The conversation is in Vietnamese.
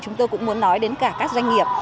chúng tôi cũng muốn nói đến cả các doanh nghiệp